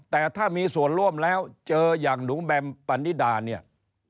แต่ถ้ามีส่วนร่วมแล้วเจออย่างหนูแบมปันนิดาเนี่ย